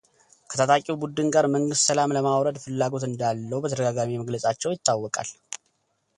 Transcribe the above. ከታጣቂው ቡድን ጋር መንግሥት ሰላም ለማውረድ ፍላጎት እንዳለው በተደጋጋሚ መግለጻቸው ይታወቃል።